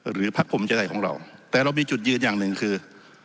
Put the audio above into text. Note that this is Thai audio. หรือพักผมจะได้ของเราแต่เรามีจุดยืนอย่างหนึ่งคือ